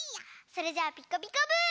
それじゃあ「ピカピカブ！」。